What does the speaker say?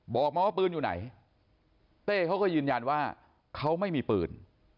บอกมาว่าปืนอยู่ไหนเต้เขาก็ยืนยันว่าเขาไม่มีปืน